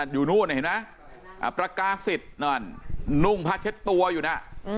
อยู่นู้นเห็นมั้ยประกาศิษฐ์นุ่งพัดเช็ดตัวอยู่นะ